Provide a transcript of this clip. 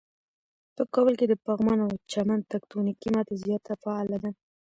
په کابل کې د پغمان او چمن تکتونیکی ماته زیاته فعاله ده.